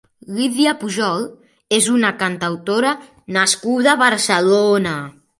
Lídia Pujol és una cantautora nascuda a Barcelona.